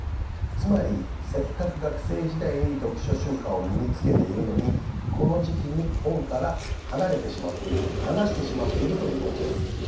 つまりせっかく学生時代に読書習慣を身につけているのにこの時期に本から離れてしまっている離してしまっているということです。